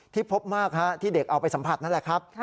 พบมากที่เด็กเอาไปสัมผัสนั่นแหละครับ